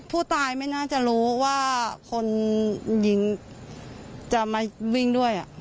ผู้ตายไม่น่าจะรู้ว่าคนยิงจะมาวิ่งด้วย